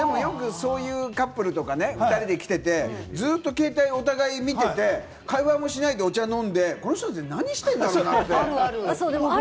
そういうカップルとかね、２人で来てて、ずっと携帯をお互い見てて、会話もしないでお茶飲んで、この人たち何してんだろうなって。